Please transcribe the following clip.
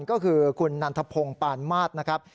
ก็คือคุณนันทพงศ์ปานมาสนะครับ